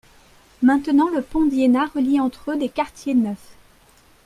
Maintenant le pont d'Iéna relie entre eux des quartiers neufs.